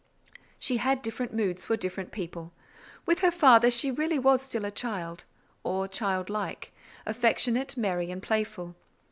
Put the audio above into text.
She had different moods for different people. With her father she really was still a child, or child like, affectionate, merry, and playful.